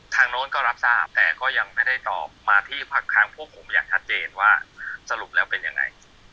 โน้นก็รับทราบแต่ก็ยังไม่ได้ตอบมาที่พักทางพวกผมอย่างชัดเจนว่าสรุปแล้วเป็นยังไง